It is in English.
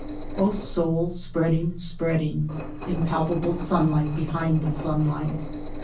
O soul, spreading, spreading — impalpable sunlight behind the sunlight